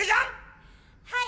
はい！